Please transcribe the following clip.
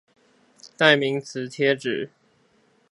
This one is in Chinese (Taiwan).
代名詞貼紙